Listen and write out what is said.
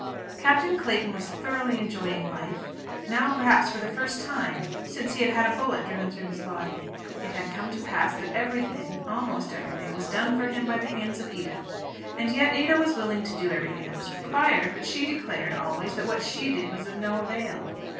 Captain Clayton was thoroughly enjoying life, now perhaps, for the first time since he had had a bullet driven through his body. It had come to pass that everything, almost everything, was done for him by the hands of Edith. And yet Ada was willing to do everything that was required; but she declared always that what she did was of no avail.